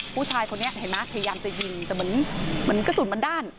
ผู้ชายคนนี้เห็นไหมพยายามจะยิงแต่เหมือนกระสุนมันด้าน